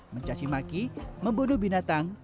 mencaci maki membunuh binatang